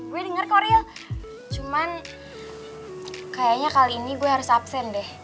gue dengar koriel cuman kayaknya kali ini gue harus absen deh